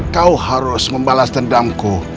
kau harus membalas dendamku